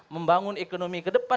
membangun ekonomi ke depan